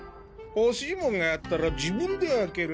ほしいモンがあったら自分で開ける。